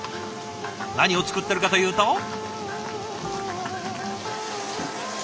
何を作っているかというと。